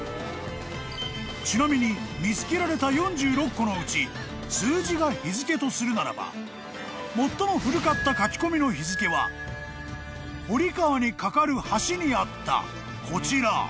［ちなみに見つけられた４６個のうち数字が日付とするならば最も古かった書き込みの日付は堀川に架かる橋にあったこちら］